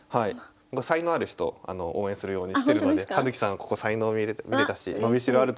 才能ある人を応援するようにしてるので葉月さんここ才能見れたし。